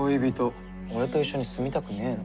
俺と一緒に住みたくねぇの？